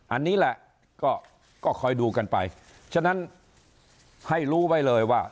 อันนี้แหละก็คอยดูกันไปฉะนั้นให้รู้ไว้เลยว่า